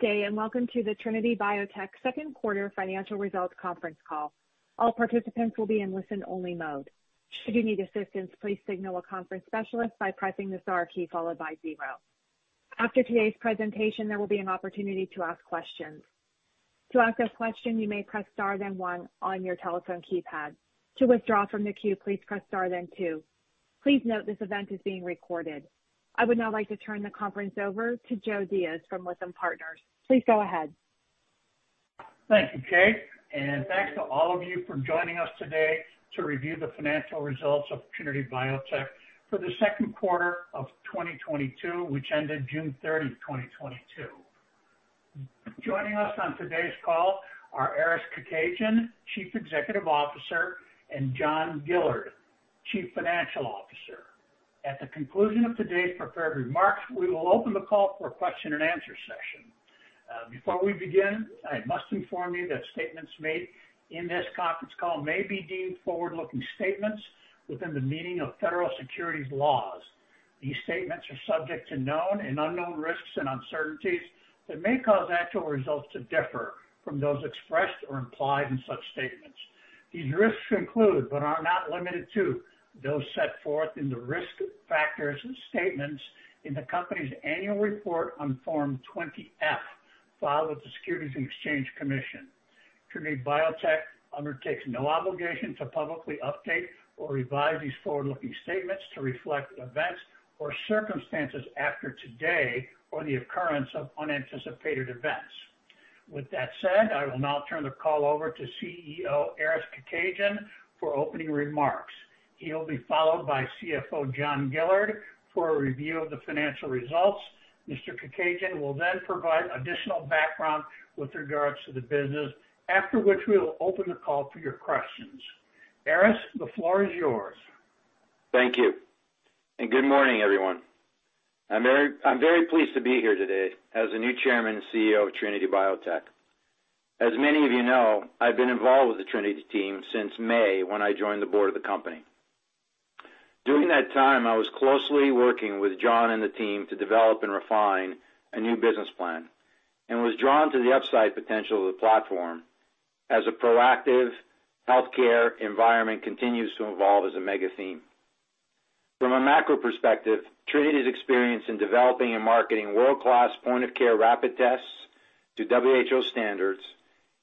Good day, and welcome to the Trinity Biotech second quarter financial results conference call. All participants will be in listen-only mode. Should you need assistance, please signal a conference specialist by pressing the star key followed by zero. After today's presentation, there will be an opportunity to ask questions. To ask a question, you may press star then one on your telephone keypad. To withdraw from the queue, please press star then two. Please note this event is being recorded. I would now like to turn the conference over to Joe Diaz from Lytham Partners. Please go ahead. Thank you, Kate, and thanks to all of you for joining us today to review the financial results of Trinity Biotech for the second quarter of 2022, which ended June 30, 2022. Joining us on today's call are Aris Kekedjian, Chief Executive Officer, and John Gillard, Chief Financial Officer. At the conclusion of today's prepared remarks, we will open the call for a question and answer session. Before we begin, I must inform you that statements made in this conference call may be deemed forward-looking statements within the meaning of federal securities laws. These statements are subject to known and unknown risks and uncertainties that may cause actual results to differ from those expressed or implied in such statements. These risks include, but are not limited to, those set forth in the risk factors and statements in the company's annual report on Form 20-F, filed with the Securities and Exchange Commission. Trinity Biotech undertakes no obligation to publicly update or revise these forward-looking statements to reflect events or circumstances after today or the occurrence of unanticipated events. With that said, I will now turn the call over to CEO Aris Kekedjian for opening remarks. He'll be followed by CFO John Gillard for a review of the financial results. Mr. Kekedjian will then provide additional background with regards to the business, after which we will open the call for your questions. Aris, the floor is yours. Thank you. Good morning, everyone. I'm very pleased to be here today as the new Chairman and CEO of Trinity Biotech. As many of you know, I've been involved with the Trinity team since May, when I joined the board of the company. During that time, I was closely working with John and the team to develop and refine a new business plan and was drawn to the upside potential of the platform as a proactive healthcare environment continues to evolve as a mega-theme. From a macro perspective, Trinity's experience in developing and marketing world-class point of care rapid tests to WHO standards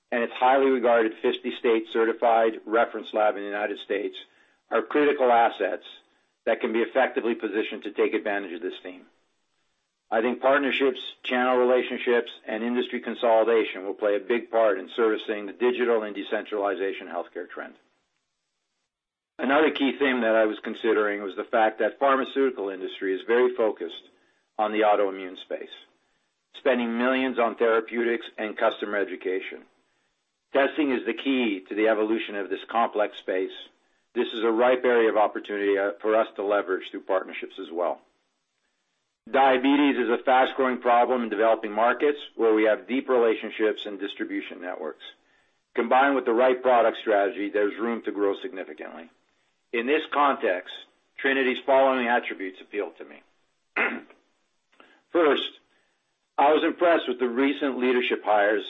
and its highly regarded 50-state certified reference lab in the United States are critical assets that can be effectively positioned to take advantage of this theme. I think partnerships, channel relationships, and industry consolidation will play a big part in servicing the digital and decentralization healthcare trend. Another key theme that I was considering was the fact that pharmaceutical industry is very focused on the autoimmune space, spending millions on therapeutics and customer education. Testing is the key to the evolution of this complex space. This is a ripe area of opportunity for us to leverage through partnerships as well. Diabetes is a fast-growing problem in developing markets where we have deep relationships and distribution networks. Combined with the right product strategy, there's room to grow significantly. In this context, Trinity's following attributes appeal to me. First, I was impressed with the recent leadership hires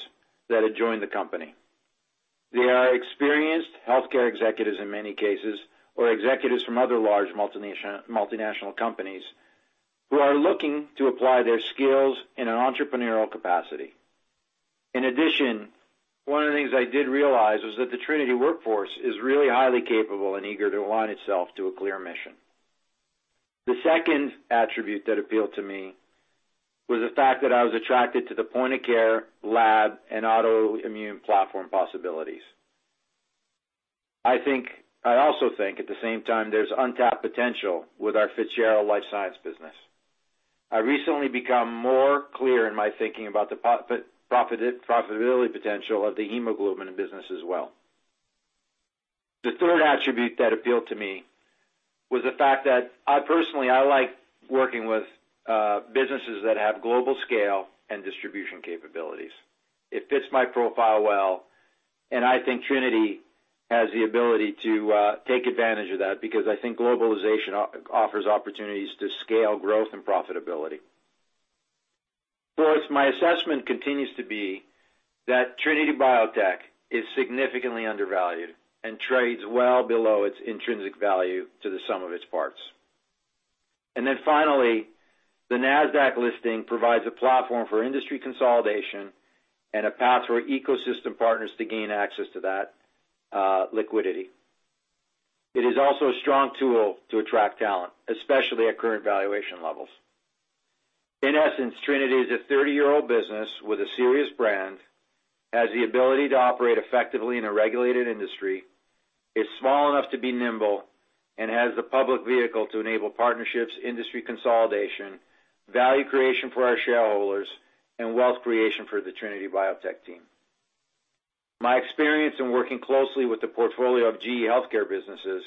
that had joined the company. They are experienced healthcare executives in many cases, or executives from other large multinational companies who are looking to apply their skills in an entrepreneurial capacity. In addition, one of the things I did realize was that the Trinity workforce is really highly capable and eager to align itself to a clear mission. The second attribute that appealed to me was the fact that I was attracted to the point of care lab and autoimmune platform possibilities. I think I also think at the same time, there's untapped potential with our Fitzgerald life science business. I've recently become more clear in my thinking about the profitability potential of the hemoglobin business as well. The third attribute that appealed to me was the fact that I personally, I like working with businesses that have global scale and distribution capabilities. It fits my profile well, and I think Trinity has the ability to take advantage of that because I think globalization offers opportunities to scale growth and profitability. Fourth, my assessment continues to be that Trinity Biotech is significantly undervalued and trades well below its intrinsic value of the sum of its parts. Finally, the Nasdaq listing provides a platform for industry consolidation and a path for ecosystem partners to gain access to that liquidity. It is also a strong tool to attract talent, especially at current valuation levels. In essence, Trinity is a 30-year-old business with a serious brand, has the ability to operate effectively in a regulated industry, is small enough to be nimble, and has the public vehicle to enable partnerships, industry consolidation, value creation for our shareholders, and wealth creation for the Trinity Biotech team. My experience in working closely with the portfolio of GE HealthCare businesses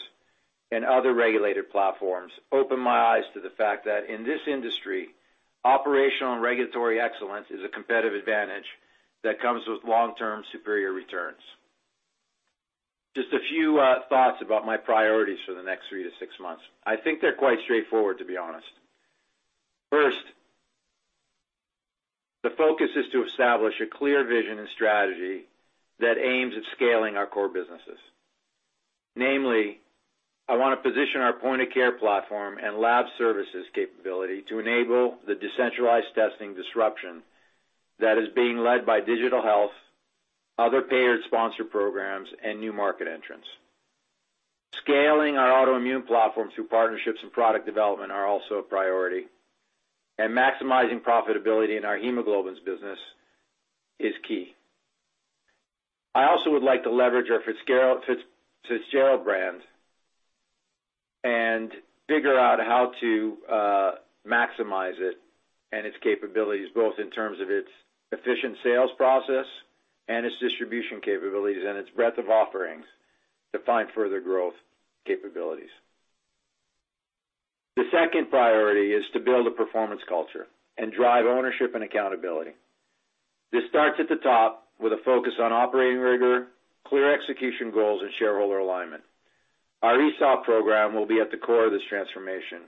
and other regulated platforms opened my eyes to the fact that in this industry, operational and regulatory excellence is a competitive advantage that comes with long-term superior returns. Just a few thoughts about my priorities for the next 3-6 months. I think they're quite straightforward, to be honest. First, the focus is to establish a clear vision and strategy that aims at scaling our core businesses. Namely, I wanna position our point-of-care platform and lab services capability to enable the decentralized testing disruption that is being led by digital health, other payer sponsored programs, and new market entrants. Scaling our autoimmune platform through partnerships and product development are also a priority. Maximizing profitability in our hemoglobins business is key. I also would like to leverage our Fitzgerald brand and figure out how to maximize it and its capabilities, both in terms of its efficient sales process and its distribution capabilities and its breadth of offerings to find further growth capabilities. The second priority is to build a performance culture and drive ownership and accountability. This starts at the top with a focus on operating rigor, clear execution goals, and shareholder alignment. Our ESOP program will be at the core of this transformation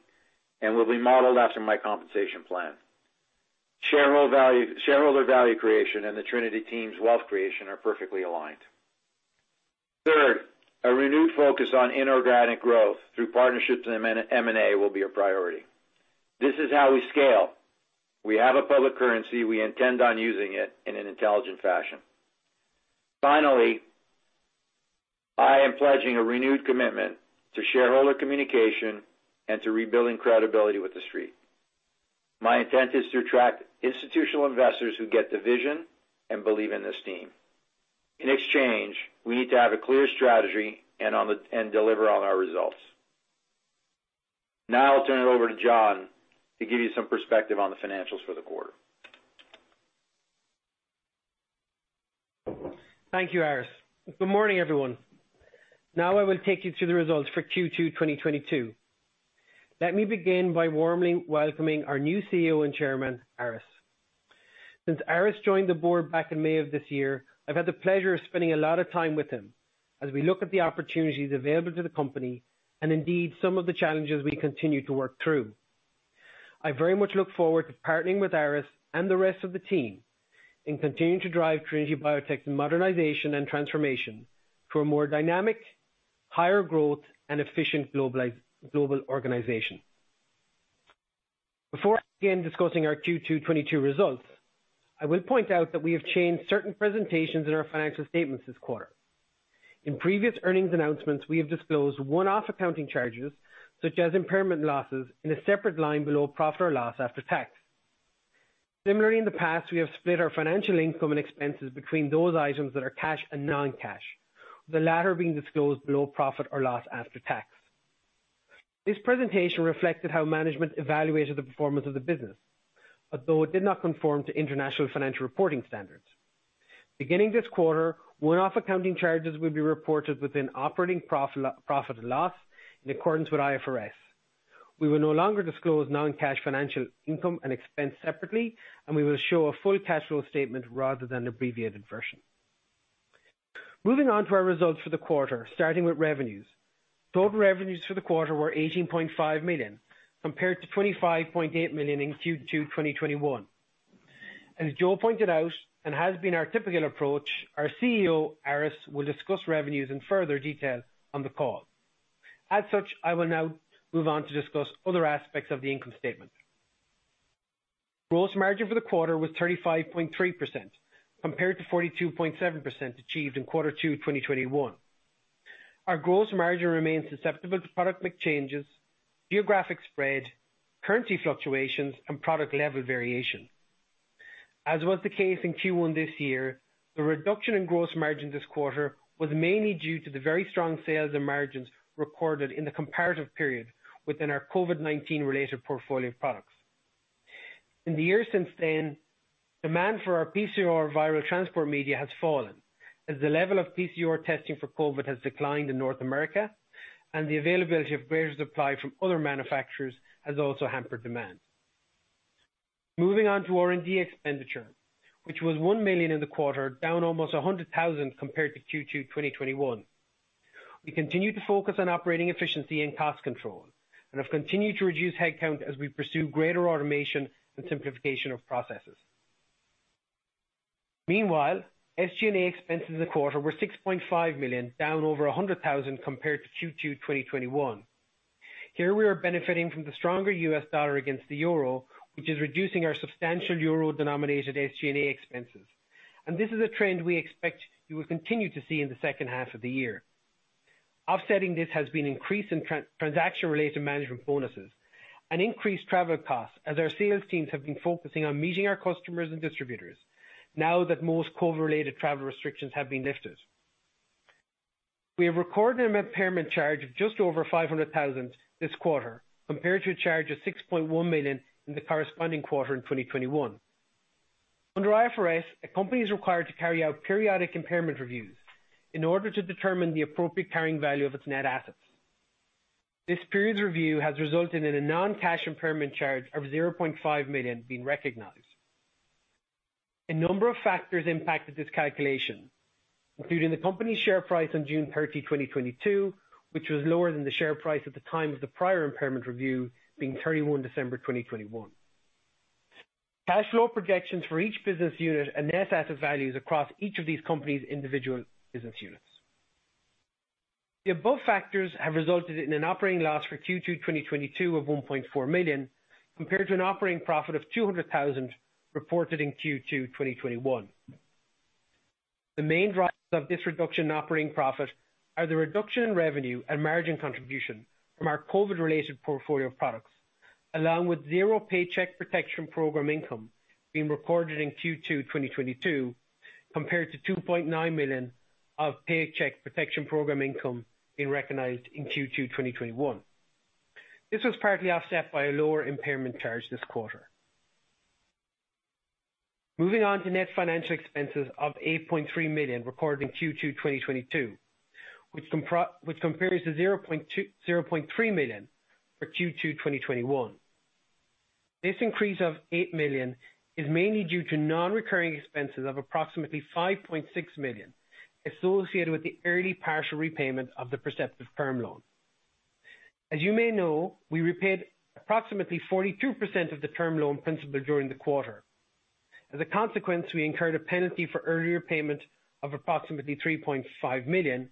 and will be modeled after my compensation plan. Shareholder value creation, and the Trinity team's wealth creation are perfectly aligned. Third, a renewed focus on inorganic growth through partnerships and M&A. M&A will be a priority. This is how we scale. We have a public currency, we intend on using it in an intelligent fashion. Finally, I am pledging a renewed commitment to shareholder communication and to rebuilding credibility with The Street. My intent is to attract institutional investors who get the vision and believe in this team. In exchange, we need to have a clear strategy and deliver on our results. Now I'll turn it over to John to give you some perspective on the financials for the quarter. Thank you, Aris. Good morning, everyone. Now I will take you through the results for Q2 2022. Let me begin by warmly welcoming our new CEO and chairman, Aris. Since Aris joined the board back in May of this year, I've had the pleasure of spending a lot of time with him as we look at the opportunities available to the company and indeed some of the challenges we continue to work through. I very much look forward to partnering with Aris and the rest of the team in continuing to drive Trinity Biotech's modernization and transformation to a more dynamic, higher growth, and efficient global organization. Before I begin discussing our Q2 2022 results, I will point out that we have changed certain presentations in our financial statements this quarter. In previous earnings announcements, we have disclosed one-off accounting charges such as impairment losses in a separate line below profit or loss after tax. Similarly, in the past, we have split our financial income and expenses between those items that are cash and non-cash, the latter being disclosed below profit or loss after tax. This presentation reflected how management evaluated the performance of the business, although it did not conform to International Financial Reporting Standards. Beginning this quarter, one-off accounting charges will be reported within profit and loss in accordance with IFRS. We will no longer disclose non-cash financial income and expense separately, and we will show a full cash flow statement rather than abbreviated version. Moving on to our results for the quarter, starting with revenues. Total revenues for the quarter were $18.5 million, compared to $25.8 million in Q2 2021. As Joe pointed out, and has been our typical approach, our CEO, Aris, will discuss revenues in further detail on the call. As such, I will now move on to discuss other aspects of the income statement. Gross margin for the quarter was 35.3%, compared to 42.7% achieved in quarter 2 2021. Our gross margin remains susceptible to product mix changes, geographic spread, currency fluctuations, and product level variation. As was the case in Q1 this year, the reduction in gross margin this quarter was mainly due to the very strong sales and margins recorded in the comparative period within our COVID-19 related portfolio of products. In the years since then, demand for our PCR viral transport media has fallen as the level of PCR testing for COVID has declined in North America, and the availability of greater supply from other manufacturers has also hampered demand. Moving on to R&D expenditure, which was $1 million in the quarter, down almost $100,000 compared to Q2 2021. We continue to focus on operating efficiency and cost control and have continued to reduce headcount as we pursue greater automation and simplification of processes. Meanwhile, SG&A expenses in the quarter were $6.5 million, down over $100,000 compared to Q2 2021. Here we are benefiting from the stronger U.S. dollar against the euro, which is reducing our substantial euro-denominated SG&A expenses. This is a trend we expect you will continue to see in the second half of the year. Offsetting this has been an increase in transaction-related management bonuses and increased travel costs as our sales teams have been focusing on meeting our customers and distributors now that most COVID-related travel restrictions have been lifted. We have recorded an impairment charge of just over $500,000 this quarter, compared to a charge of $6.1 million in the corresponding quarter in 2021. Under IFRS, a company is required to carry out periodic impairment reviews in order to determine the appropriate carrying value of its net assets. This period's review has resulted in a non-cash impairment charge of $0.5 million being recognized. A number of factors impacted this calculation, including the company's share price on June 30, 2022, which was lower than the share price at the time of the prior impairment review being December 31, 2021. Cash flow projections for each business unit and net asset values across each of these companies, individual business units. The above factors have resulted in an operating loss for Q2 2022 of $1.4 million, compared to an operating profit of $200,000 reported in Q2 2021. The main drivers of this reduction in operating profit are the reduction in revenue and margin contribution from our COVID-related portfolio of products, along with $0 Paycheck Protection Program income being recorded in Q2 2022, compared to $2.9 million of Paycheck Protection Program income being recognized in Q2 2021. This was partly offset by a lower impairment charge this quarter. Moving on to net financial expenses of $8.3 million recorded in Q2 2022, which compares to $0.3 million for Q2 2021. This increase of $8 million is mainly due to non-recurring expenses of approximately $5.6 million associated with the early partial repayment of the Perceptive term loan. As you may know, we repaid approximately 42% of the term loan principal during the quarter. As a consequence, we incurred a penalty for earlier payment of approximately $3.5 million.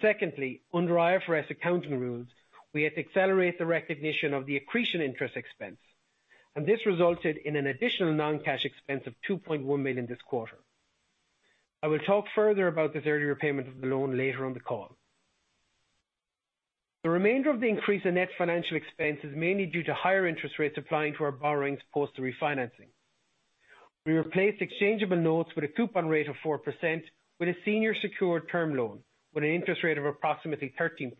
Secondly, under IFRS accounting rules, we had to accelerate the recognition of the accretion interest expense, and this resulted in an additional non-cash expense of $2.1 million this quarter. I will talk further about this earlier repayment of the loan later on the call. The remainder of the increase in net financial expense is mainly due to higher interest rates applying to our borrowings post refinancing. We replaced exchangeable notes with a coupon rate of 4%, with a senior secured term loan with an interest rate of approximately 13%,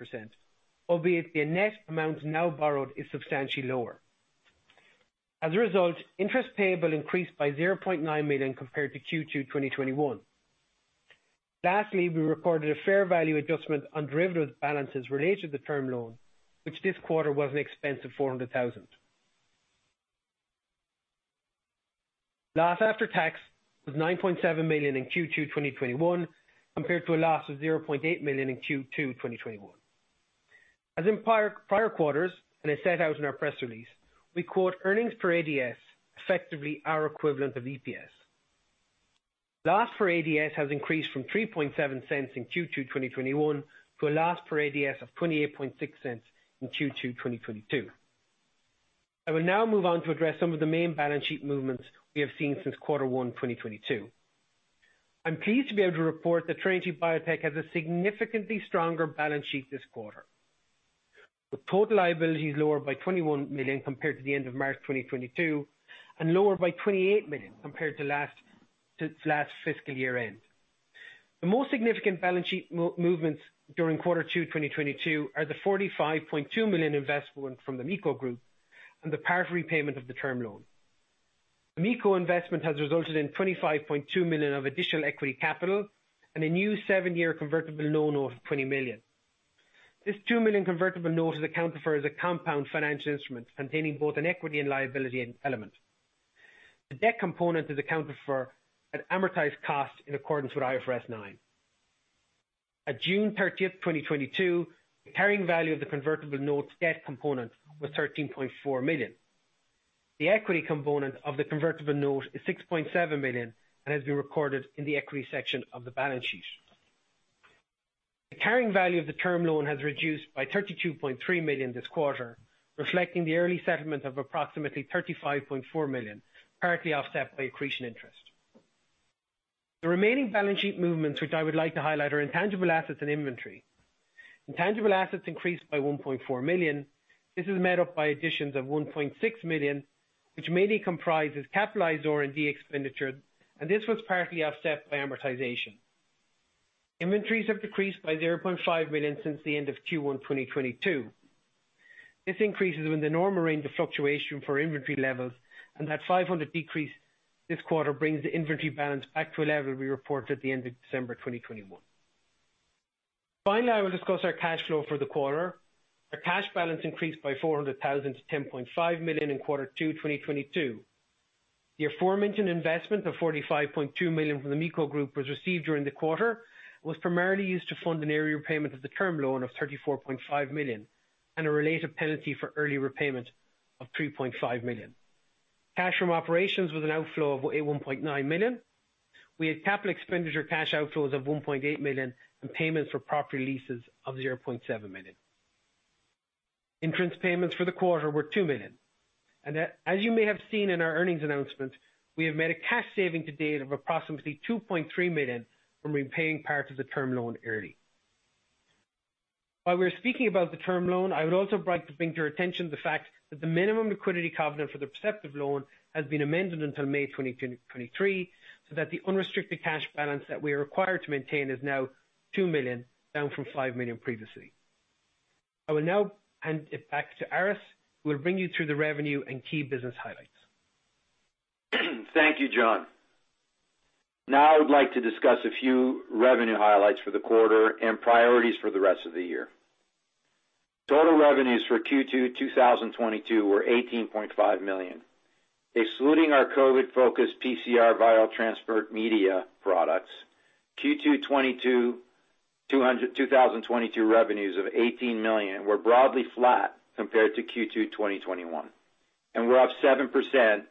albeit the net amount now borrowed is substantially lower. As a result, interest payable increased by $0.9 million compared to Q2 2021. Lastly, we recorded a fair value adjustment on derivative balances related to the term loan, which this quarter was an expense of $400,000. Loss after tax was $9.7 million in Q2 2021, compared to a loss of $0.8 million in Q2 2021. As in prior quarters, and as set out in our press release, we quote earnings per ADS effectively our equivalent of EPS. Loss per ADS has increased from $0.037 in Q2 2021 to a loss per ADS of $0.286 in Q2 2022. I will now move on to address some of the main balance sheet movements we have seen since quarter one, 2022. I'm pleased to be able to report that Trinity Biotech has a significantly stronger balance sheet this quarter, with total liabilities lower by $21 million compared to the end of March 2022, and lower by $28 million compared to last fiscal year end. The most significant balance sheet movements during quarter two, 2022 are the $45.2 million investment from the MiCo Group and the partial repayment of the term loan. The MiCo investment has resulted in $25.2 million of additional equity capital and a new seven-year convertible loan of $20 million. This $2 million convertible note is accounted for as a compound financial instrument containing both an equity and liability element. The debt component is accounted for at amortized cost in accordance with IFRS nine. At June 30, 2022, the carrying value of the convertible note's debt component was $13.4 million. The equity component of the convertible note is $6.7 million and has been recorded in the equity section of the balance sheet. The carrying value of the term loan has reduced by $32.3 million this quarter, reflecting the early settlement of approximately $35.4 million, partly offset by accretion interest. The remaining balance sheet movements, which I would like to highlight, are intangible assets and inventory. Intangible assets increased by $1.4 million. This is made up by additions of $1.6 million, which mainly comprises capitalized R&D expenditure, and this was partly offset by amortization. Inventories have decreased by $0.5 million since the end of Q1 2022. This decrease is in the normal range of fluctuation for inventory levels, and that $500,000 decrease this quarter brings the inventory balance back to a level we reported at the end of December 2021. Finally, I will discuss our cash flow for the quarter. Our cash balance increased by $400,000 to $10.5 million in Q2 2022. The aforementioned investment of $45.2 million from the MiCo Group was received during the quarter, was primarily used to fund a repayment of the term loan of $34.5 million and a related penalty for early repayment of $3.5 million. Cash from operations was an outflow of $1.9 million. We had capital expenditure cash outflows of $1.8 million and payments for property leases of $0.7 million. Insurance payments for the quarter were $2 million. As you may have seen in our earnings announcement, we have made a cash saving to date of approximately $2.3 million from repaying parts of the term loan early. While we're speaking about the term loan, I would also like to bring to your attention the fact that the minimum liquidity covenant for the Perceptive loan has been amended until May 2023, so that the unrestricted cash balance that we are required to maintain is now $2 million, down from $5 million previously. I will now hand it back to Aris, who will bring you through the revenue and key business highlights. Thank you, John. Now I would like to discuss a few revenue highlights for the quarter and priorities for the rest of the year. Total revenues for Q2 2022 were $18.5 million. Excluding our COVID-focused PCR viral transport media products, Q2 2022 revenues of $18 million were broadly flat compared to Q2 2021, and were up 7%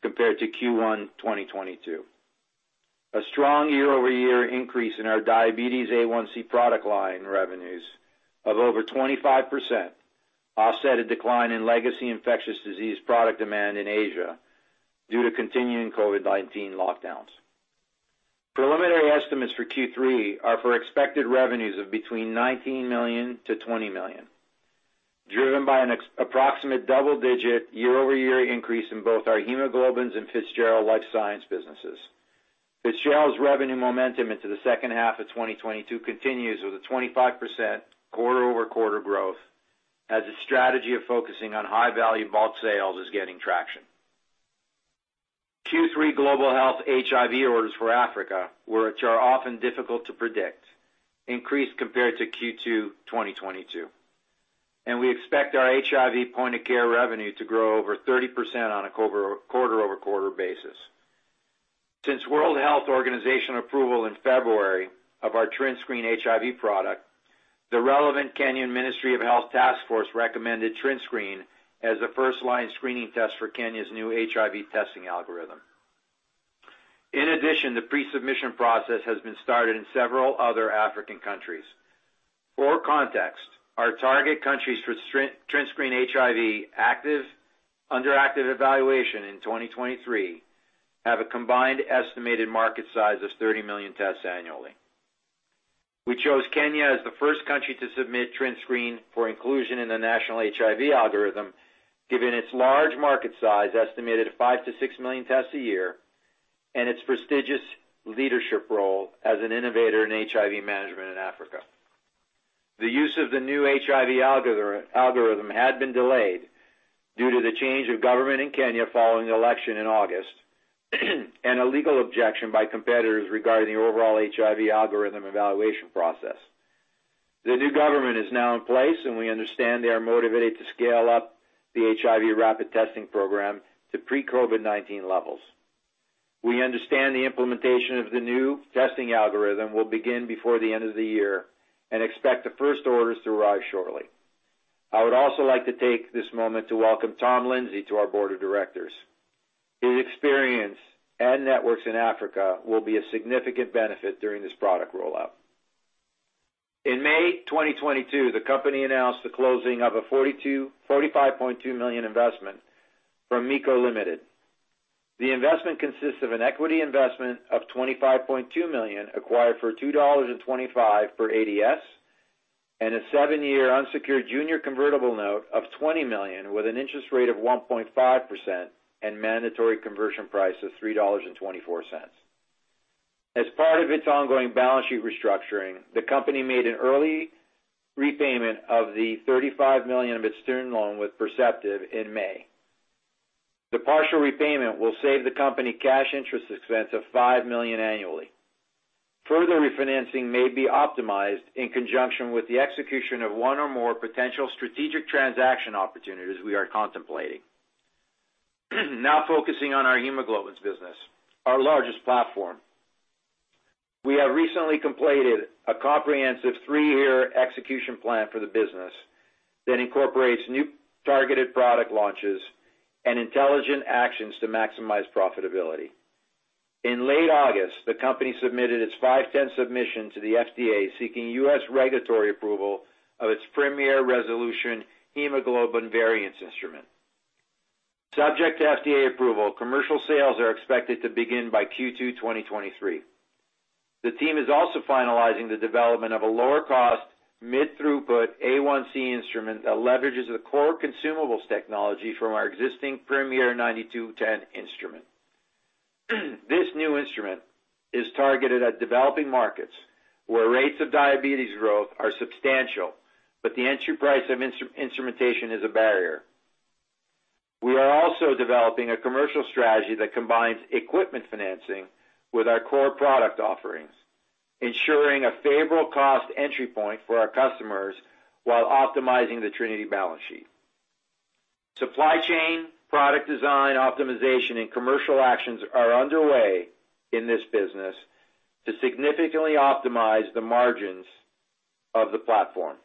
compared to Q1 2022. A strong year-over-year increase in our diabetes A1C product line revenues of over 25% offset a decline in legacy infectious disease product demand in Asia due to continuing COVID-19 lockdowns. Preliminary estimates for Q3 are for expected revenues of between $19 million to $20 million, driven by an approximate double-digit year-over-year increase in both our hemoglobins and Fitzgerald life science businesses. Fitzgerald's revenue momentum into the second half of 2022 continues with a 25% quarter-over-quarter growth as the strategy of focusing on high-value bulk sales is gaining traction. Q3 global health HIV orders for Africa, which are often difficult to predict, increased compared to Q2 2022, and we expect our HIV point-of-care revenue to grow over 30% on a quarter-over-quarter basis. Since World Health Organization approval in February of our TrinScreen HIV product, the relevant Kenyan Ministry of Health task force recommended TrinScreen as a first-line screening test for Kenya's new HIV testing algorithm. In addition, the pre-submission process has been started in several other African countries. For context, our target countries for TrinScreen HIV under active evaluation in 2023 have a combined estimated market size of 30 million tests annually. We chose Kenya as the first country to submit TrinScreen for inclusion in the national HIV algorithm, given its large market size, estimated at 5-6 million tests a year, and its prestigious leadership role as an innovator in HIV management in Africa. The use of the new HIV algorithm had been delayed due to the change of government in Kenya following the election in August and a legal objection by competitors regarding the overall HIV algorithm evaluation process. The new government is now in place, and we understand they are motivated to scale up the HIV rapid testing program to pre-COVID-19 levels. We understand the implementation of the new testing algorithm will begin before the end of the year, and expect the first orders to arrive shortly. I would also like to take this moment to welcome Tom Lindsay to our board of directors. His experience and networks in Africa will be a significant benefit during this product rollout. In May 2022, the company announced the closing of a $45.2 million investment from MiCo Ltd. The investment consists of an equity investment of $25.2 million acquired for $2.25 per ADS, and a seven-year unsecured junior convertible note of $20 million with an interest rate of 1.5% and mandatory conversion price of $3.24. As part of its ongoing balance sheet restructuring, the company made an early repayment of the $35 million of its term loan with Perceptive Advisors in May. The partial repayment will save the company cash interest expense of $5 million annually. Further refinancing may be optimized in conjunction with the execution of one or more potential strategic transaction opportunities we are contemplating. Now focusing on our hemoglobin business, our largest platform. We have recently completed a comprehensive three-year execution plan for the business that incorporates new targeted product launches and intelligent actions to maximize profitability. In late August, the company submitted its 510(k) submission to the FDA seeking U.S. regulatory approval of its Premier Resolution hemoglobin variant instrument. Subject to FDA approval, commercial sales are expected to begin by Q2 2023. The team is also finalizing the development of a lower-cost, mid-throughput A1C instrument that leverages the core consumables technology from our existing Premier 9210 instrument. This new instrument is targeted at developing markets where rates of diabetes growth are substantial, but the entry price of instrumentation is a barrier. We are also developing a commercial strategy that combines equipment financing with our core product offerings, ensuring a favorable cost entry point for our customers while optimizing the Trinity balance sheet. Supply chain, product design, optimization, and commercial actions are underway in this business to significantly optimize the margins of the platform.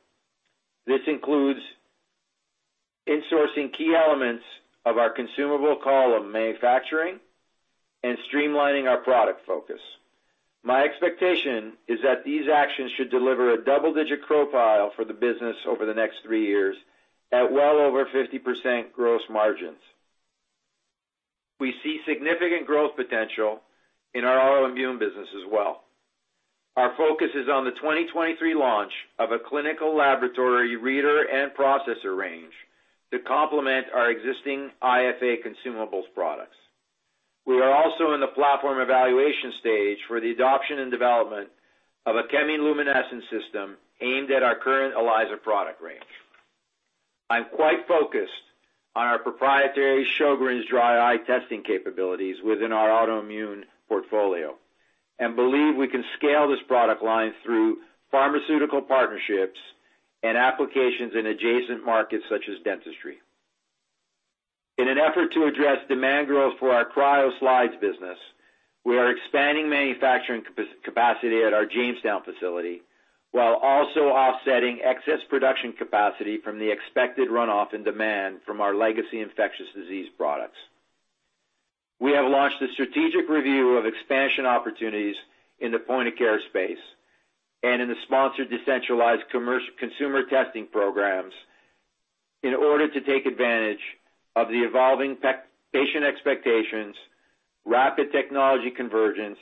This includes insourcing key elements of our consumable column manufacturing and streamlining our product focus. My expectation is that these actions should deliver a double-digit profile for the business over the next three years at well over 50% gross margins. We see significant growth potential in our autoimmune business as well. Our focus is on the 2023 launch of a clinical laboratory reader and processor range to complement our existing IFA consumables products. We are also in the platform evaluation stage for the adoption and development of a chemiluminescence system aimed at our current ELISA product range. I'm quite focused on our proprietary Sjögren's dry eye testing capabilities within our autoimmune portfolio, and believe we can scale this product line through pharmaceutical partnerships and applications in adjacent markets such as dentistry. In an effort to address demand growth for our cryo slides business, we are expanding manufacturing capacity at our Jamestown facility, while also offsetting excess production capacity from the expected runoff in demand from our legacy infectious disease products. We have launched a strategic review of expansion opportunities in the point of care space and in the sponsored decentralized consumer testing programs in order to take advantage of the evolving patient expectations, rapid technology convergence,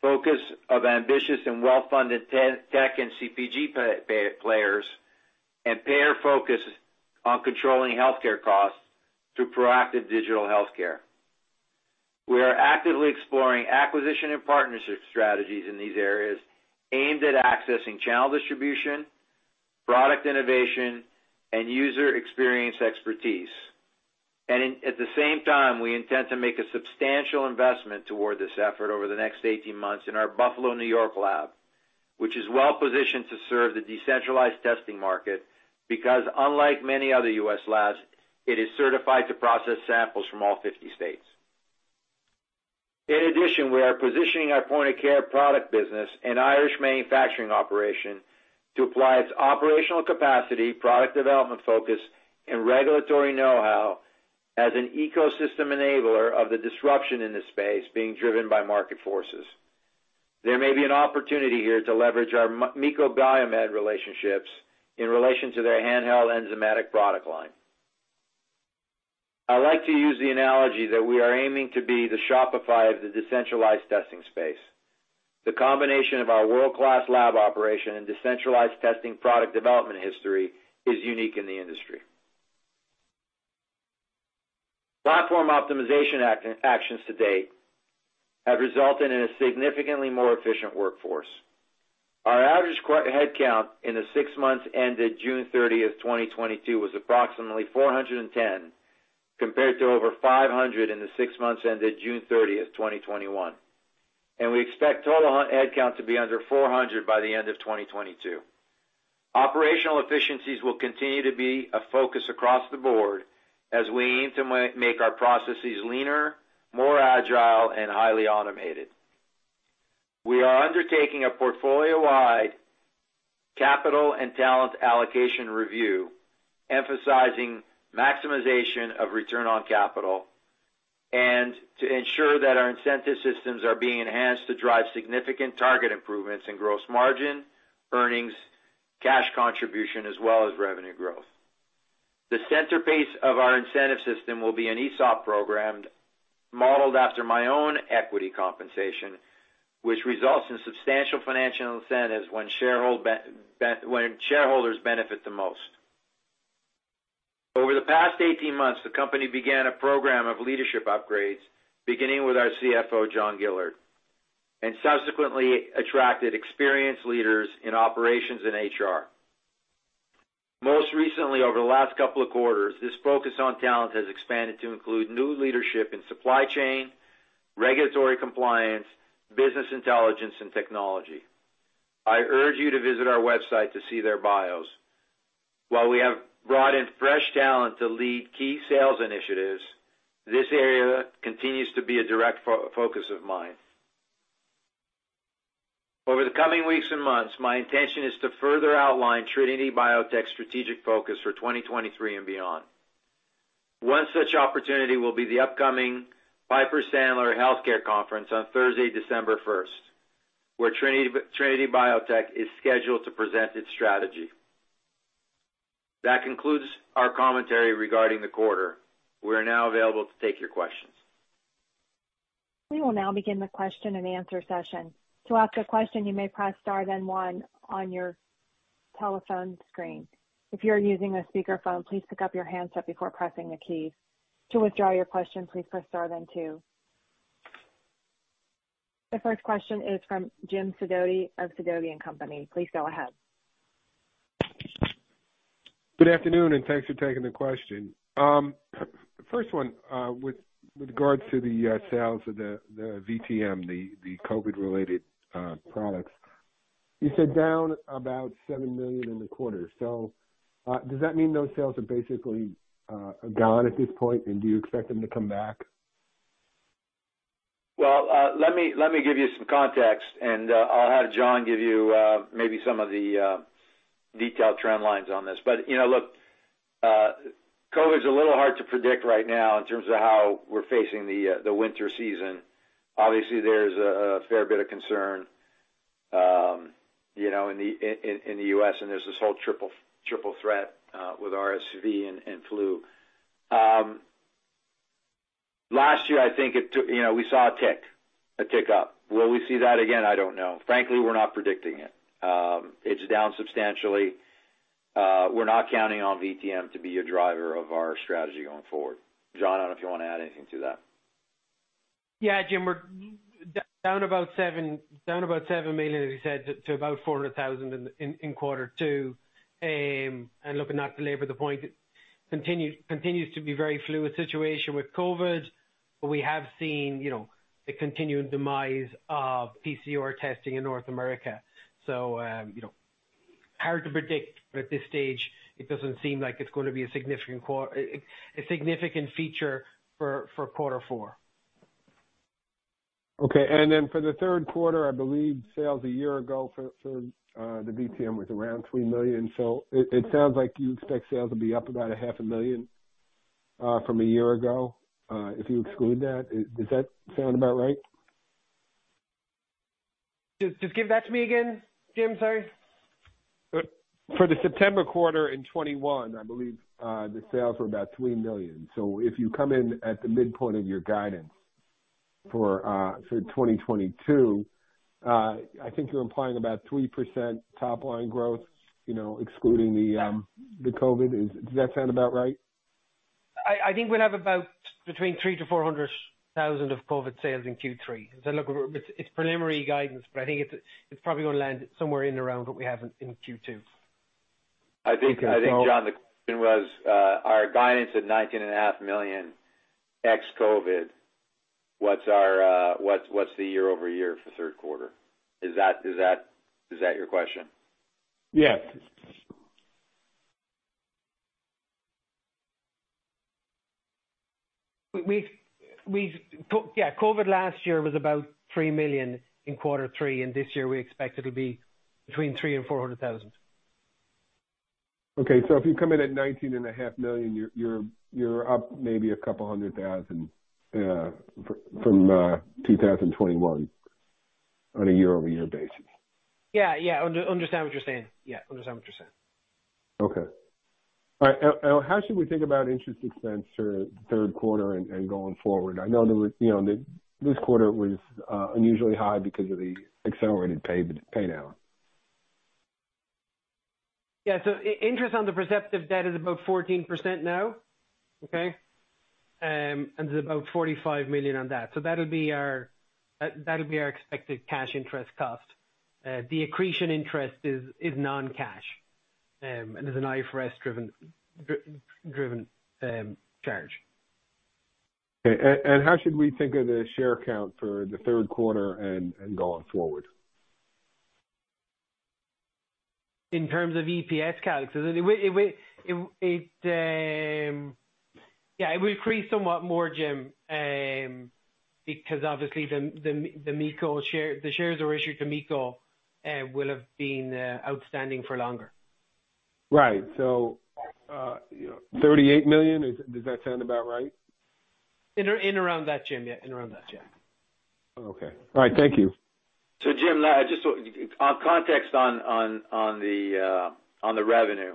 focus of ambitious and well-funded tech and CPG players, and payer focus on controlling healthcare costs through proactive digital healthcare. We are actively exploring acquisition and partnership strategies in these areas aimed at accessing channel distribution, product innovation, and user experience expertise. At the same time, we intend to make a substantial investment toward this effort over the next 18 months in our Buffalo, New York lab, which is well-positioned to serve the decentralized testing market because unlike many other U.S. labs, it is certified to process samples from all 50 states. In addition, we are positioning our point of care product business and Irish manufacturing operation to apply its operational capacity, product development focus, and regulatory know-how as an ecosystem enabler of the disruption in this space being driven by market forces. There may be an opportunity here to leverage our MiCo BioMed relationships in relation to their handheld enzymatic product line. I like to use the analogy that we are aiming to be the Shopify of the decentralized testing space. The combination of our world-class lab operation and decentralized testing product development history is unique in the industry. Platform optimization actions to date have resulted in a significantly more efficient workforce. Our average headcount in the six months ended June 30, 2022 was approximately 410 compared to over 500 in the six months ended June 30, 2021, and we expect total headcount to be under 400 by the end of 2022. Operational efficiencies will continue to be a focus across the board as we aim to make our processes leaner, more agile, and highly automated. We are undertaking a portfolio-wide capital and talent allocation review, emphasizing maximization of return on capital, and to ensure that our incentive systems are being enhanced to drive significant target improvements in gross margin, earnings, cash contribution, as well as revenue growth. The centerpiece of our incentive system will be an ESOP program modeled after my own equity compensation, which results in substantial financial incentives when shareholders benefit the most. Over the past 18 months, the company began a program of leadership upgrades, beginning with our CFO, John Gillard, and subsequently attracted experienced leaders in operations and HR. Most recently, over the last couple of quarters, this focus on talent has expanded to include new leadership in supply chain, regulatory compliance, business intelligence, and technology. I urge you to visit our website to see their bios. While we have brought in fresh talent to lead key sales initiatives, this area continues to be a direct focus of mine. Over the coming weeks and months, my intention is to further outline Trinity Biotech's strategic focus for 2023 and beyond. One such opportunity will be the upcoming Piper Sandler Healthcare Conference on Thursday, December 1st, where Trinity Biotech is scheduled to present its strategy. That concludes our commentary regarding the quarter. We are now available to take your questions. We will now begin the question and answer session. To ask a question, you may press star then one on your telephone screen. If you're using a speakerphone, please pick up your handset before pressing a key. To withdraw your question, please press star then two. The first question is from Jim Sidoti of Sidoti & Company. Please go ahead. Good afternoon, and thanks for taking the question. First one, with regards to the sales of the VTM, the COVID-related products. You said down about $7 million in the quarter. Does that mean those sales are basically gone at this point? Do you expect them to come back? Well, let me give you some context, and I'll have John give you maybe some of the detailed trend lines on this. You know, look, COVID's a little hard to predict right now in terms of how we're facing the winter season. Obviously, there's a fair bit of concern, you know, in the U.S., and there's this whole triple threat with RSV and flu. Last year, you know, we saw a tick up. Will we see that again? I don't know. Frankly, we're not predicting it. It's down substantially. We're not counting on VTM to be a driver of our strategy going forward. John, I don't know if you wanna add anything to that. Yeah, Jim, we're down about $7 million, as you said, to about $400,000 in quarter two. Look, not to labor the point, it continues to be very fluid situation with COVID. We have seen, you know, the continued demise of PCR testing in North America. You know, hard to predict. At this stage, it doesn't seem like it's gonna be a significant feature for quarter four. For the third quarter, I believe sales a year ago for the VTM was around $3 million. It sounds like you expect sales to be up about a half a million from a year ago, if you exclude that. Does that sound about right? Just give that to me again, Jim. Sorry. For the September quarter in 2021, I believe the sales were about $3 million. If you come in at the midpoint of your guidance for 2022, I think you're implying about 3% top line growth, you know, excluding the COVID. Does that sound about right? I think we'd have about between $300,000-$400,000 of COVID sales in Q3. Look, we're, it's preliminary guidance, but I think it's probably gonna land somewhere in and around what we have in Q2. Okay. I think, John, the question was our guidance at $19.5 million ex-COVID, what's the year-over-year for third quarter? Is that your question? Yeah. COVID last year was about $3 million in quarter three, and this year we expect it'll be between $300,000 and $400,000. Okay. If you come in at $19.5 million, you're up maybe $200,000 from 2021 on a year-over-year basis. Yeah. Understand what you're saying. Yeah, understand what you're saying. Okay. All right. Well, how should we think about interest expense for the third quarter and going forward? I know there was, you know, this quarter was unusually high because of the accelerated paydown. Interest on the Perceptive debt is about 14% now. There's about $45 million on that. That'll be our expected cash interest cost. The accretion interest is non-cash and is an IFRS-driven charge. Okay. How should we think of the share count for the third quarter and going forward? In terms of EPS calcs? It will increase somewhat more, Jim, because obviously the MiCo share, the shares that were issued to MiCo, will have been outstanding for longer. Right. You know, $38 million, does that sound about right? In around that, Jim. Yeah. Okay. All right. Thank you. Jim, just some context on the revenue.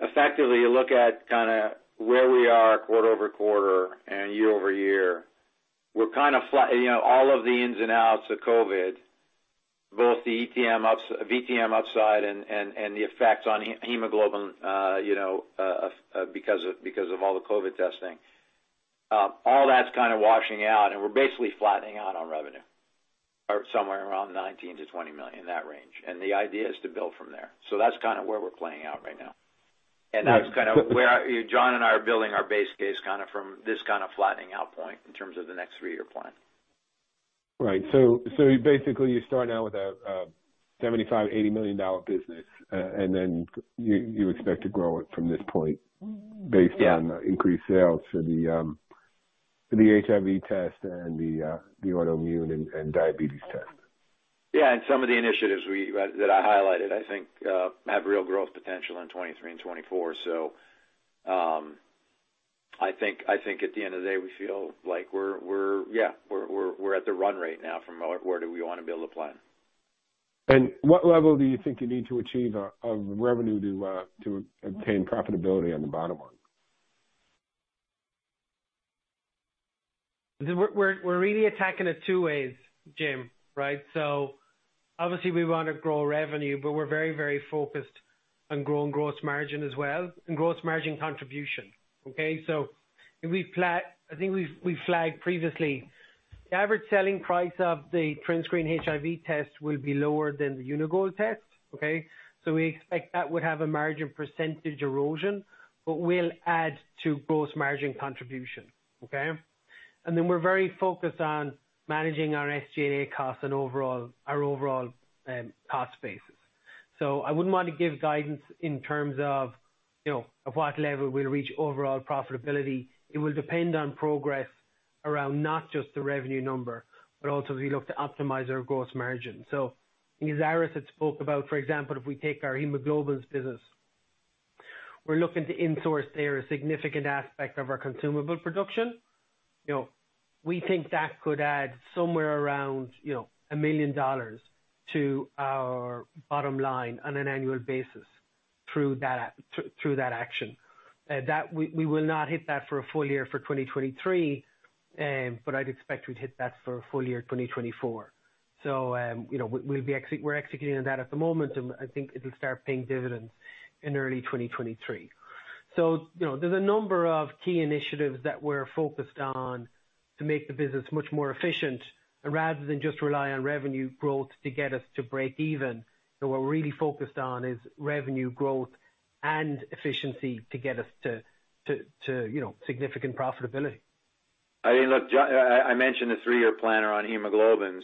Effectively, you look at kind of where we are quarter-over-quarter and year-over-year. We're kind of you know, all of the ins and outs of COVID, both the VTM upside and the effects on hemoglobin, you know, because of all the COVID testing. All that's kind of washing out and we're basically flattening out on revenue, or somewhere around $19-$20 million, in that range. The idea is to build from there. That's kind of where we're playing out right now. That's kind of where John and I are building our base case kind of from this kind of flattening out point in terms of the next three-year plan. Right. Basically you're starting out with a $75-$80 million business, and then you expect to grow it from this point based- Yeah. on increased sales for the HIV test and the autoimmune and diabetes test. Yeah. Some of the initiatives we that I highlighted, I think, have real growth potential in 2023 and 2024. I think at the end of the day, we feel like we're at the run rate now from where do we wanna build a plan. What level do you think you need to achieve of revenue to obtain profitability on the bottom line? We're really attacking it two ways, Jim. Right? Obviously we wanna grow revenue, but we're very, very focused on growing gross margin as well, and gross margin contribution. Okay? I think we've flagged previously the average selling price of the TrinScreen HIV test will be lower than the Uni-Gold test. Okay? We expect that would have a margin percentage erosion, but will add to gross margin contribution. Okay? We're very focused on managing our SG&A costs and overall, our cost basis. I wouldn't want to give guidance in terms of, you know, at what level we'll reach overall profitability. It will depend on progress around not just the revenue number, but also as we look to optimize our gross margin. I think as Aris had spoke about, for example, if we take our hemoglobin business, we're looking to insource there a significant aspect of our consumable production. You know, we think that could add somewhere around, you know, $1 million to our bottom line on an annual basis through that action. That we will not hit that for a full year for 2023, but I'd expect we'd hit that for full year 2024. You know, we'll be executing on that at the moment and I think it'll start paying dividends in early 2023. You know, there's a number of key initiatives that we're focused on to make the business much more efficient rather than just rely on revenue growth to get us to break even. What we're really focused on is revenue growth and efficiency to get us to you know significant profitability. I mean, look, I mentioned the three-year plan around hemoglobins.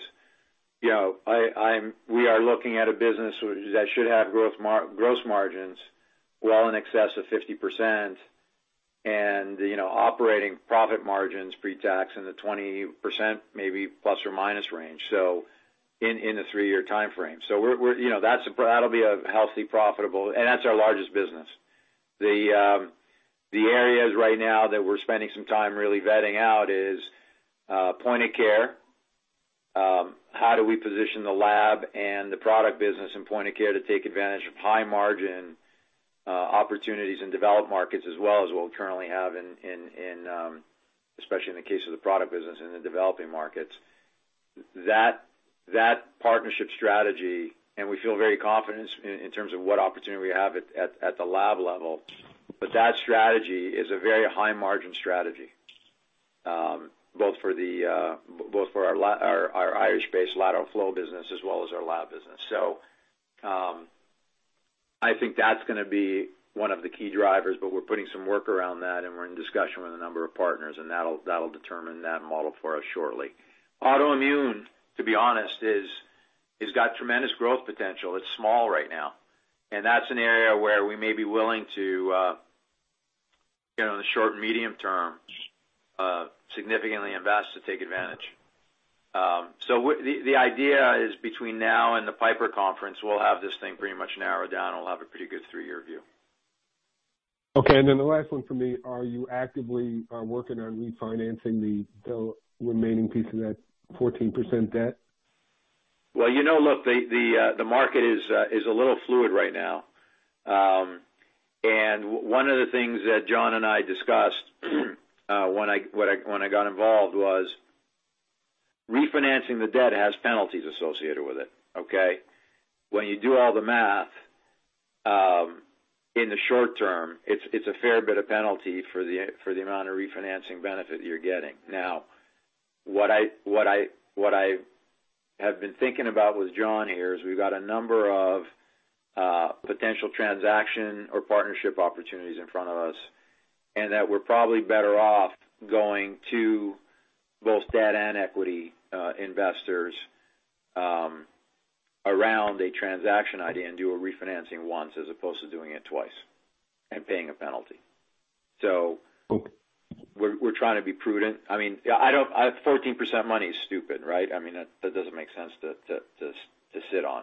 You know, I'm we are looking at a business that should have gross margins well in excess of 50% and, you know, operating profit margins pre-tax in the 20% maybe ± range, in a three-year timeframe. We're, you know, that'll be a healthy, profitable. That's our largest business. The areas right now that we're spending some time really vetting out is point of care. How do we position the lab and the product business in point of care to take advantage of high margin opportunities in developed markets as well as we currently have in, especially in the case of the product business in the developing markets. That partnership strategy, and we feel very confident in terms of what opportunity we have at the lab level. That strategy is a very high margin strategy, both for our Irish-based lateral flow business as well as our lab business. I think that's gonna be one of the key drivers, but we're putting some work around that, and we're in discussion with a number of partners, and that'll determine that model for us shortly. Autoimmune, to be honest, has got tremendous growth potential. It's small right now. That's an area where we may be willing to, you know, in the short and medium term, significantly invest to take advantage. The idea is between now and the Piper conference, we'll have this thing pretty much narrowed down, and we'll have a pretty good three-year view. Okay. Then the last one for me, are you actively working on refinancing the remaining piece of that 14% debt? Well, you know, look, the market is a little fluid right now. One of the things that John and I discussed when I got involved was refinancing the debt has penalties associated with it, okay? When you do all the math, in the short term, it's a fair bit of penalty for the amount of refinancing benefit you're getting. Now, what I have been thinking about with John here is we've got a number of potential transaction or partnership opportunities in front of us, and that we're probably better off going to both debt and equity investors around a transaction idea and do a refinancing once as opposed to doing it twice and paying a penalty. Okay. We're trying to be prudent. I mean, yeah, I don't. 14% money is stupid, right? I mean, that doesn't make sense to sit on.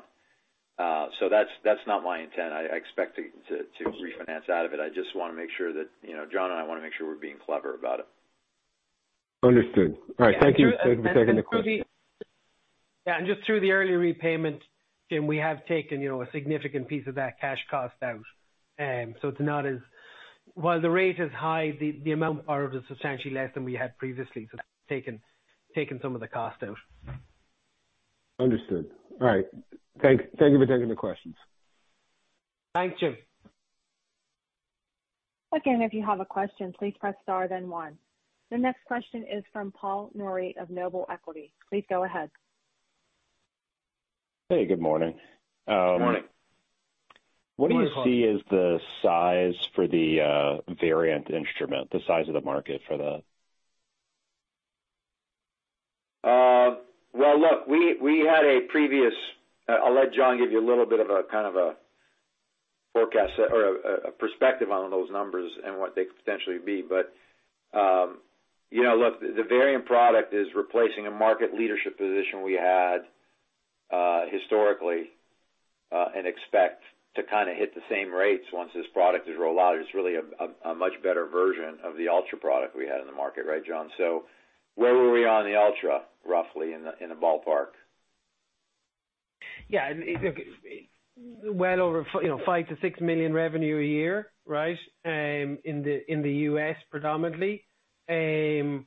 That's not my intent. I expect to refinance out of it. I just wanna make sure that, you know, John and I wanna make sure we're being clever about it. Understood. All right. Thank you. Thank you for taking the questions. Yeah. Just through the early repayment, Jim, we have taken, you know, a significant piece of that cash cost out. It's not as. While the rate is high, the amount borrowed is substantially less than we had previously, so that's taken some of the cost out. Understood. All right. Thank you for taking the questions. Thanks, Jim. Again, if you have a question, please press star then one. The next question is from Paul Nouri of Noble Capital Markets. Please go ahead. Hey, good morning. Good morning. What do you see as the size for the variant instrument, the size of the market for that? I'll let John give you a little bit of a kind of a forecast or a perspective on those numbers and what they could potentially be. You know, look, the variant product is replacing a market leadership position we had historically, and expect to kind of hit the same rates once this product is rolled out. It's really a much better version of the Ultra product we had in the market, right, John? Where were we on the Ultra, roughly in the ballpark? Yeah. Look, well over you know, 5-6 million revenue a year, right? In the U.S. predominantly, with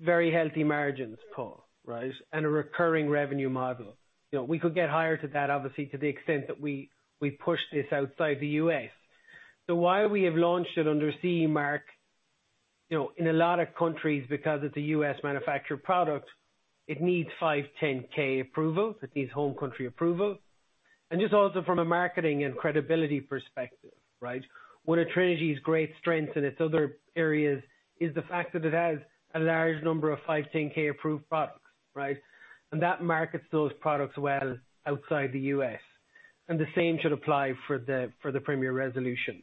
very healthy margins, Paul, right? A recurring revenue model. You know, we could get higher to that, obviously, to the extent that we push this outside the U.S. While we have launched it under CE mark, you know, in a lot of countries, because it's a U.S. manufactured product, it needs 510(k) approval, it needs home country approval. Just also from a marketing and credibility perspective, right? One of Trinity's great strengths in its other areas is the fact that it has a large number of 510(k) approved products, right? That markets those products well outside the U.S., and the same should apply for the Premier Resolution.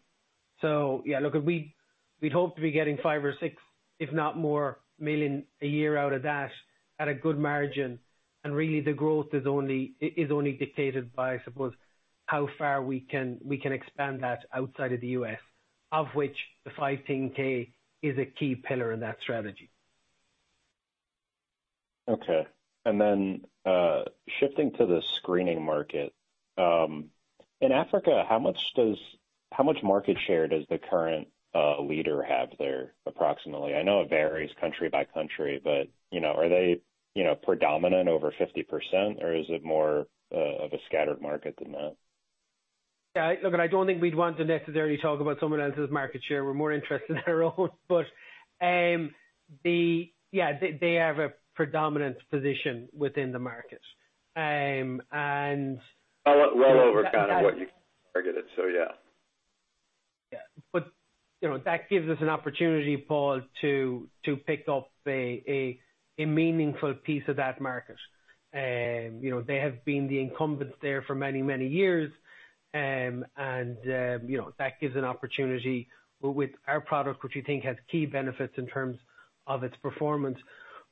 Yeah, look, we'd hope to be getting $5 million-$6 million, if not more, a year out of that at a good margin. Really the growth is only, it is only dictated by, I suppose, how far we can expand that outside of the U.S., of which the 510(k) is a key pillar in that strategy. Okay. Shifting to the screening market. In Africa, how much market share does the current leader have there approximately? I know it varies country by country, but, you know, are they, you know, predominant over 50%, or is it more of a scattered market than that? Yeah. Look, I don't think we'd want to necessarily talk about someone else's market share. We're more interested in our own. Yeah, they have a predominant position within the market. Well over kind of what you targeted, so yeah. Yeah. You know, that gives us an opportunity, Paul, to pick up a meaningful piece of that market. You know, they have been the incumbents there for many years. You know, that gives an opportunity with our product, which we think has key benefits in terms of its performance,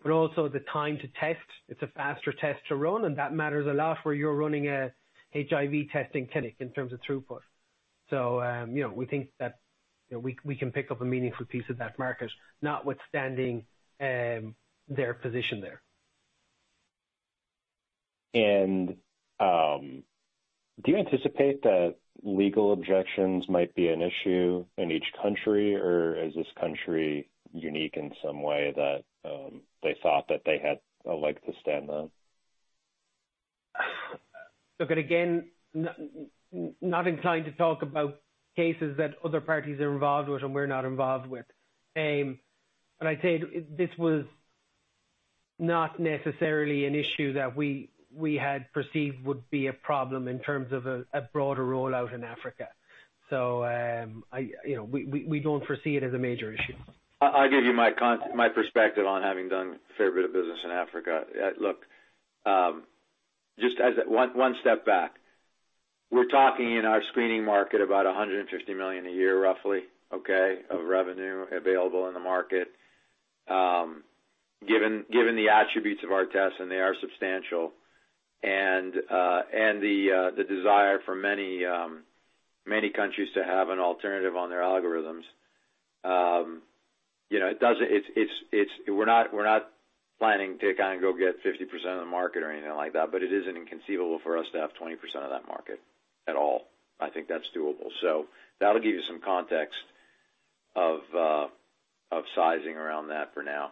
but also the time to test. It's a faster test to run, and that matters a lot where you're running an HIV testing clinic in terms of throughput. You know, we think that we can pick up a meaningful piece of that market, notwithstanding their position there. Do you anticipate that legal objections might be an issue in each country? Or is this country unique in some way that they thought that they had a leg to stand on? Look, again, not inclined to talk about cases that other parties are involved with and we're not involved with. I'd say this was not necessarily an issue that we had perceived would be a problem in terms of a broader rollout in Africa. You know, we don't foresee it as a major issue. I'll give you my perspective on having done a fair bit of business in Africa. Look, just as a step back, we're talking in our screening market about $150 million a year roughly, okay, of revenue available in the market. Given the attributes of our tests, and they are substantial, and the desire for many countries to have an alternative on their algorithms, you know, it doesn't. We're not planning to kind of go get 50% of the market or anything like that, but it isn't inconceivable for us to have 20% of that market at all. I think that's doable. That'll give you some context of sizing around that for now.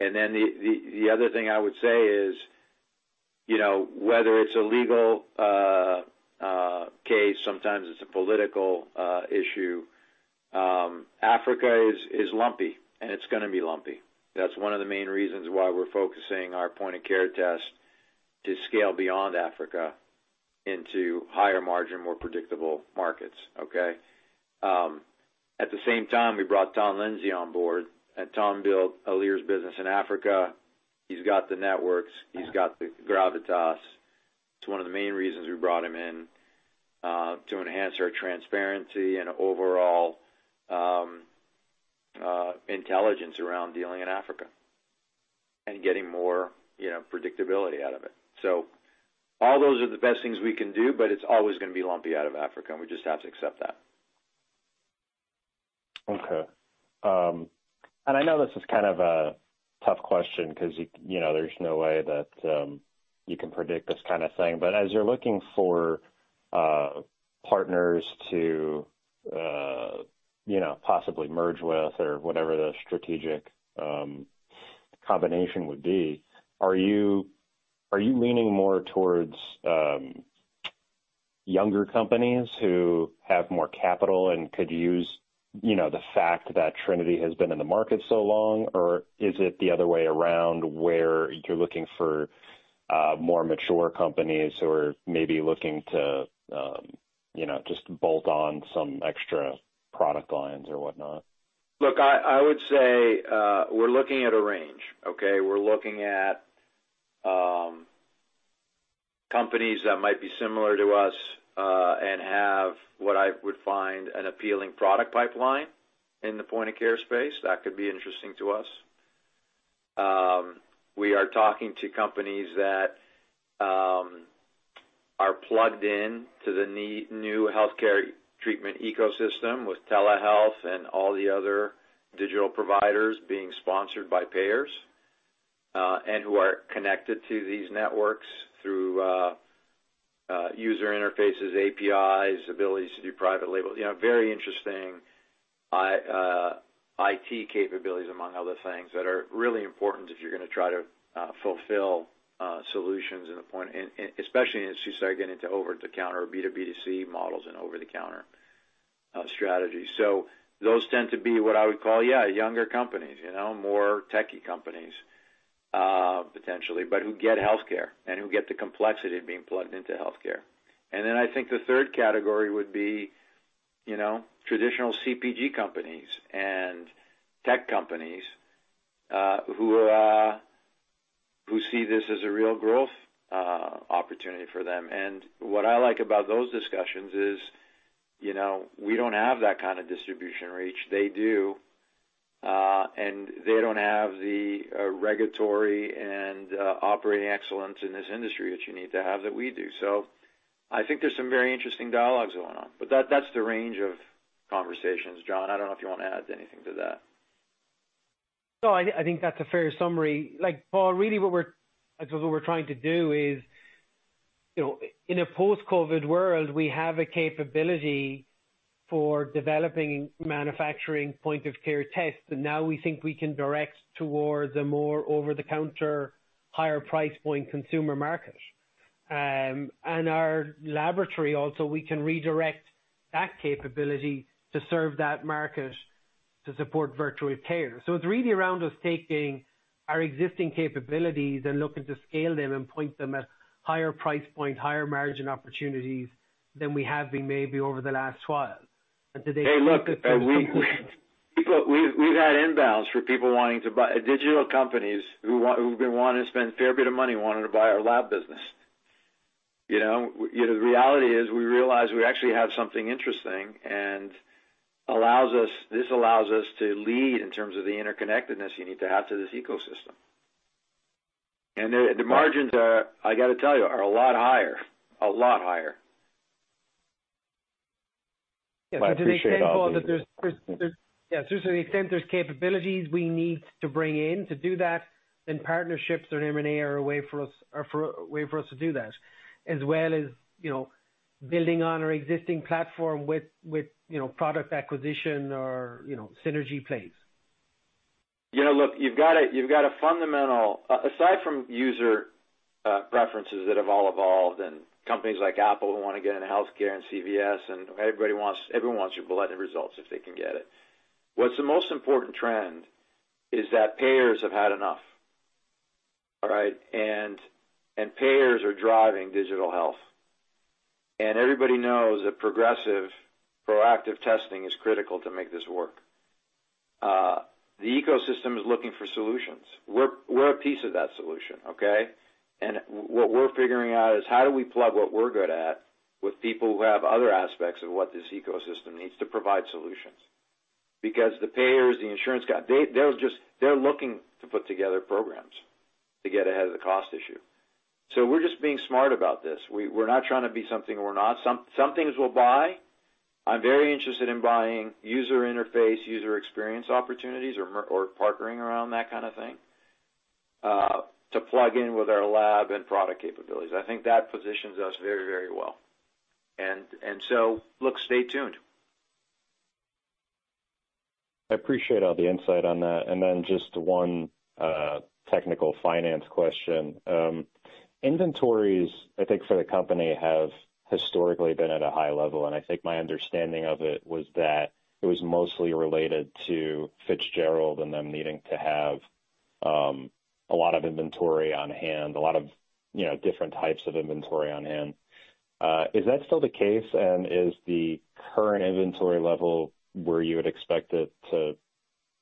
The other thing I would say is, you know, whether it's a legal case, sometimes it's a political issue, Africa is lumpy, and it's gonna be lumpy. That's one of the main reasons why we're focusing our point-of-care test to scale beyond Africa into higher margin, more predictable markets, okay? At the same time, we brought Tom Lindsay on board, and Tom built Alere's business in Africa. He's got the networks. Yeah. He's got the gravitas. It's one of the main reasons we brought him in to enhance our transparency and overall intelligence around dealing in Africa and getting more, you know, predictability out of it. So all those are the best things we can do, but it's always gonna be lumpy out of Africa, and we just have to accept that. Okay. I know this is kind of a tough question 'cause you know, there's no way that you can predict this kind of thing, but as you're looking for partners to you know, possibly merge with or whatever the strategic combination would be, are you leaning more towards younger companies who have more capital and could use, you know, the fact that Trinity has been in the market so long? Is it the other way around, where you're looking for more mature companies who are maybe looking to you know, just bolt on some extra product lines or whatnot? Look, I would say we're looking at a range, okay? We're looking at companies that might be similar to us and have what I would find an appealing product pipeline in the point-of-care space. That could be interesting to us. We are talking to companies that are plugged in to the new healthcare treatment ecosystem with telehealth and all the other digital providers being sponsored by payers and who are connected to these networks through user interfaces, APIs, abilities to do private label. You know, very interesting IT capabilities among other things that are really important if you're gonna try to fulfill solutions in the point of care. Especially as you start getting into over-the-counter or B2B2C models and over-the-counter strategies. Those tend to be what I would call, yeah, younger companies, you know, more techy companies, potentially, but who get healthcare and who get the complexity of being plugged into healthcare. Then I think the third category would be, you know, traditional CPG companies and tech companies who see this as a real growth opportunity for them. What I like about those discussions is, you know, we don't have that kind of distribution reach. They do. They don't have the regulatory and operating excellence in this industry that you need to have that we do. I think there's some very interesting dialogues going on. That, that's the range of conversations. John, I don't know if you want to add anything to that. No, I think that's a fair summary. Like, Paul, really I guess what we're trying to do is, you know, in a post-COVID world, we have a capability for developing and manufacturing point of care tests that now we think we can direct towards a more over-the-counter, higher price point consumer market. Our laboratory also, we can redirect that capability to serve that market to support virtual care. It's really around us taking our existing capabilities and looking to scale them and point them at higher price point, higher margin opportunities than we have been maybe over the last while. Today Hey, look, people, we've had inbounds from digital companies who've been wanting to spend a fair bit of money wanting to buy our lab business, you know? You know, the reality is we realize we actually have something interesting, and this allows us to lead in terms of the interconnectedness you need to have to this ecosystem. The margins are, I gotta tell you, a lot higher. To the extent there's capabilities we need to bring in to do that, then partnerships or M&A are a way for us to do that, as well as, you know, building on our existing platform with, you know, product acquisition or, you know, synergy plays. You know, look, you've got a fundamental aside from user preferences that have all evolved and companies like Apple who wanna get into healthcare and CVS, and everyone wants your blood results if they can get it. What's the most important trend is that payers have had enough, all right? Payers are driving digital health, and everybody knows that progressive proactive testing is critical to make this work. The ecosystem is looking for solutions. We're a piece of that solution, okay? What we're figuring out is how do we plug what we're good at with people who have other aspects of what this ecosystem needs to provide solutions. Because the payers, the insurance guy, they'll just. They're looking to put together programs to get ahead of the cost issue. We're just being smart about this. We're not trying to be something we're not. Some things we'll buy. I'm very interested in buying user interface, user experience opportunities or partnering around that kinda thing, to plug in with our lab and product capabilities. I think that positions us very, very well. Look, stay tuned. I appreciate all the insight on that. Just one technical finance question. Inventories, I think, for the company have historically been at a high level, and I think my understanding of it was that it was mostly related to Fitzgerald and them needing to have a lot of inventory on hand, a lot of, you know, different types of inventory on hand. Is that still the case? Is the current inventory level where you would expect it to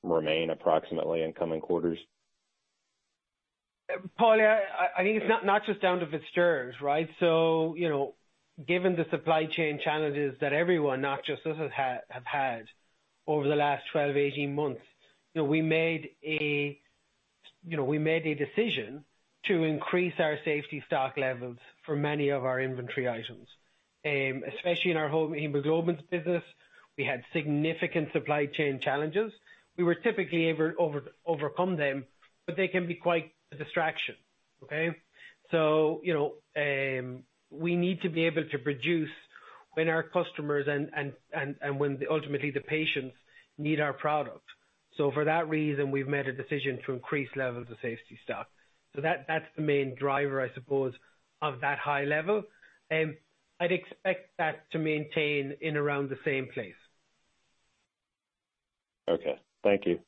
remain approximately in coming quarters? Paul, I think it's not just down to Fitzgerald Industries, right? You know, given the supply chain challenges that everyone, not just us, has had over the last 12-18 months, you know, we made a decision to increase our safety stock levels for many of our inventory items, especially in our home hemoglobin business. We had significant supply chain challenges. We were typically able to overcome them, but they can be quite a distraction, okay? You know, we need to be able to produce when our customers and ultimately the patients need our product. For that reason, we've made a decision to increase levels of safety stock. That's the main driver, I suppose, of that high level. I'd expect that to maintain around the same place. Okay. Thank you.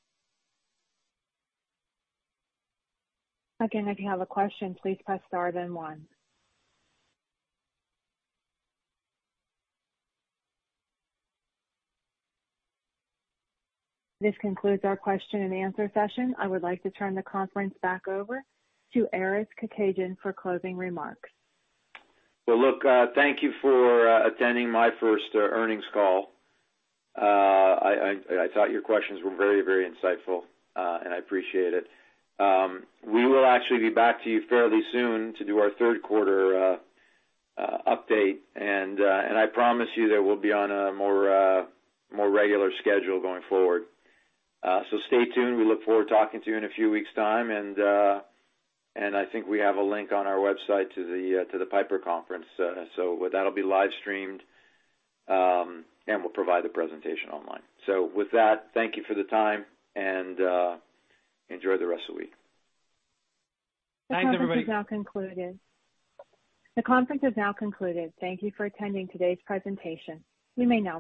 Again, if you have a question, please press star then one. This concludes our question and answer session. I would like to turn the conference back over to Aris Kekedjian for closing remarks. Well, look, thank you for attending my first earnings call. I thought your questions were very insightful, and I appreciate it. We will actually be back to you fairly soon to do our third quarter update. I promise you that we'll be on a more regular schedule going forward. Stay tuned. We look forward to talking to you in a few weeks' time. I think we have a link on our website to the Piper Sandler Healthcare Conference. That'll be live streamed, and we'll provide the presentation online. With that, thank you for the time, and enjoy the rest of the week. Thanks, everybody. The conference is now concluded. Thank you for attending today's presentation. You may now.